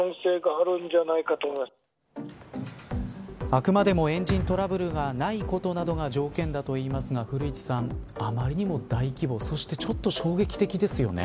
あくまでもエンジントラブルはないことなどが条件だといいますが古市さん、あまりにも大規模そしてちょっと衝撃的ですよね。